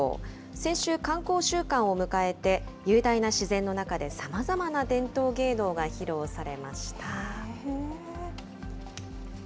先週、観光週間を迎えて、雄大な自然の中でさまざまな伝統芸能が披露されました。